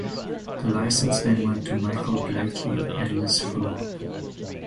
The license then went to Michael Blakey and Liz Fuller.